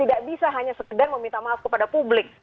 tidak bisa hanya sekedar meminta maaf kepada publik